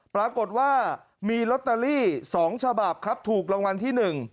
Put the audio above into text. ปรากฏว่ามีลอตเตอรี่๒ฉบับครับถูกรางวัลที่๑